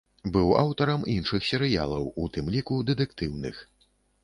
Быў аўтарам іншых серыялаў, у тым ліку дэтэктыўных.